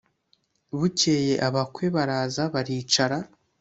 bukeye abakwe baraza baricara